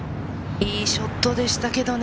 いいショットでしたけどね。